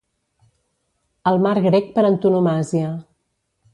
El mar grec per antonomàsia.